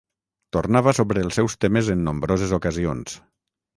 Tornava sobre els seus temes en nombroses ocasions.